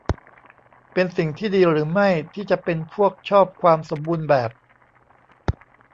เป็นสิ่งที่ดีหรือไม่ที่จะเป็นพวกชอบความสมบูรณ์แบบ ?